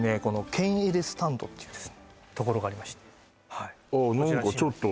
ケンエレスタンドっていうところがありましてああ何かちょっと